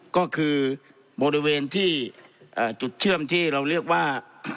ก็คือบริเวณที่จุดเชื่อมที่เราเรียกว่า